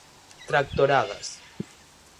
Tractoradas.